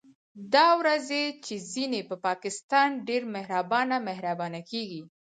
دا ورځې چې ځينې په پاکستان ډېر مهربانه مهربانه کېږي